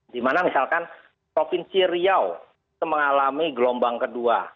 di mana misalkan provinsi riau itu mengalami gelombang kedua